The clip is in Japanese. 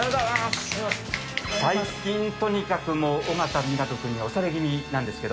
最近とにかくもう、緒方湊君に押され気味なんですけど。